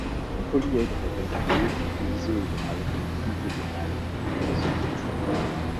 Un polyèdre régulier est isoédral, isogonal et isotoxal.